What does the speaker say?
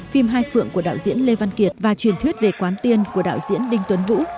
phim hai phượng của đạo diễn lê văn kiệt và truyền thuyết về quán tiên của đạo diễn đinh tuấn vũ